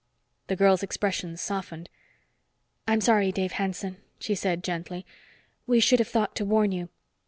The girl's expression softened. "I'm sorry, Dave Hanson," she said gently. "We should have thought to warn you.